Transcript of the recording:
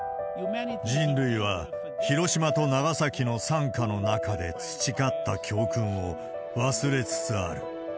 人類は広島と長崎の惨禍の中で培った教訓を忘れつつある。